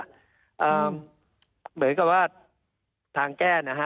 เหมือนกับว่าทางแก้นะฮะ